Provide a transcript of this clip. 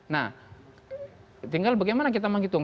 nah tinggal bagaimana kita menghitung